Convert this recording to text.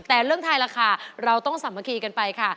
แต่เรื่องทายราคาเราต้องสามัคคีกันไปค่ะ